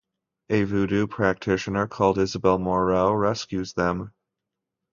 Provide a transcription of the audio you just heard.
A Voodoo practitioner called Isabelle Moreau rescues them.